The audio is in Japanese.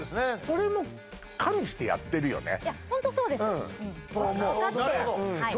それも加味してやってるよね